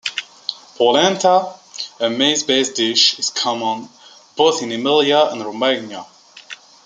"Polenta", a maize-based dish, is common both in Emilia and Romagna.